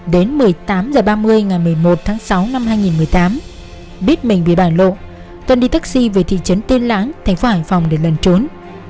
đến một mươi tám h ba mươi ngày một mươi một tháng sáu năm hai nghìn một mươi tám biết mình bị bà lộ tuân đi taxi về thị trấn tiên lãng thành phố hải phòng để lần trốn